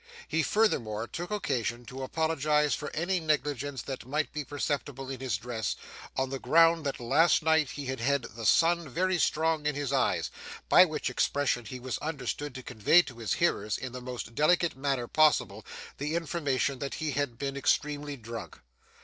He furthermore took occasion to apologize for any negligence that might be perceptible in his dress, on the ground that last night he had had 'the sun very strong in his eyes'; by which expression he was understood to convey to his hearers in the most delicate manner possible, the information that he had been extremely drunk.